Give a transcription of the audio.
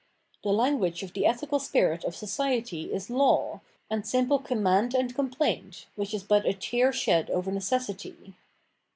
The language of the ethical spirit of society is law, and simple command and complaint, which is but a tear shed over necessity.